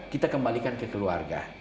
kita kembalikan ke keluarga